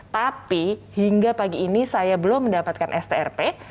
tapi hingga pagi ini saya belum mendapatkan strp